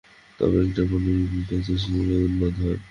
তবে একটা প্রবাবিলিটি আছে যে, সে উন্মাদ না।